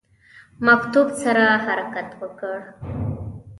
مکتوب سره حرکت وکړ.